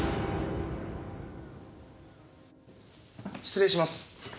失礼します。